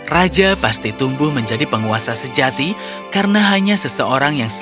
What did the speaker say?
raja pasti tumbuh menjadi penguasa sejati karena hanya seseorang